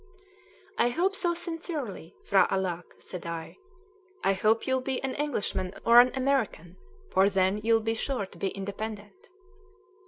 "I hope so sincerely, P'hra Alâck," said I. "I hope you'll be an Englishman or an American, for then you'll be sure to be independent."